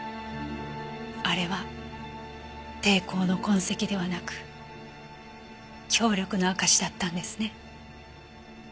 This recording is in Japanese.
あれは抵抗の痕跡ではなく協力の証しだったんですね。